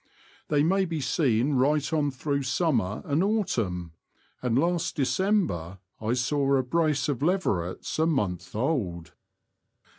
They may be seen right on through summer and autumn, and last December I saw a brace of leverets a month old.